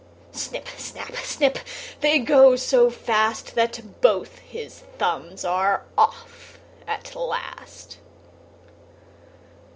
Snip! Snap! Snip! They go so fast, That both his thumbs are off at last.